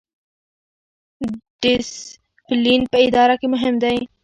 ډیسپلین په اداره کې مهم دی